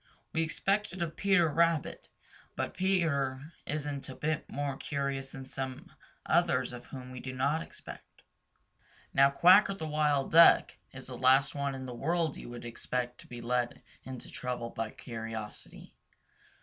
We expect it of Peter Rabbit, but Peter isn't a bit more curious than some others of whom we do not expect it. Now Quacker the Wild Duck is the last one in the world you would expect to be led into trouble by curiosity.